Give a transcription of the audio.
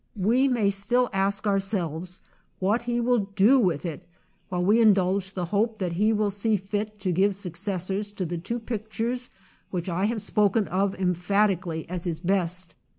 We may still ask ourselves what he will do with it, while we indulge the hope that he will see fit to give successors to the two pic tures which I have spoken of emphatical ly as his best.